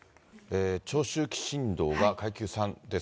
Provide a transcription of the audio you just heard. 長周期振動が階級３です。